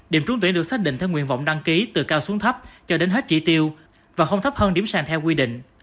điểm trúng tuyển được xác định theo nguyện vọng đăng ký từ cao xuống thấp cho đến hết chỉ tiêu và không thấp hơn điểm sàng theo quy định